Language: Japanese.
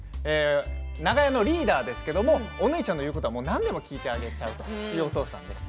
長屋のリーダーですけれどもお縫ちゃんの言うことは何でも聞いてあげちゃうというお父さんです。